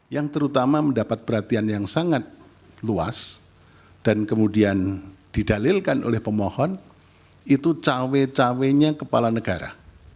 yang terutama mendapat perhatian yang sangat luas dan kemudian didalilkan oleh pemohon itu cawe cawenya kepala negara